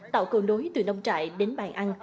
tạo cầu nối từ nông trại đến bàn ăn